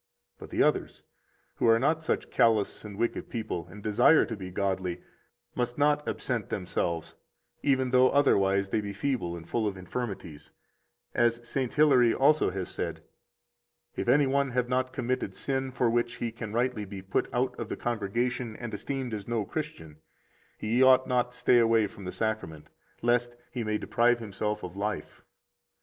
59 But the others, who are not such callous and wicked people, and desire to be godly, must not absent themselves, even though otherwise they be feeble and full of infirmities, as St. Hilary also has said: If any one have not committed sin for which he can rightly be put out of the congregation and esteemed as no Christian, he ought not stay away from the Sacrament, lest he may deprive himself of life.